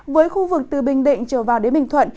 với khu vực từ bình định trở vào đến bình thuận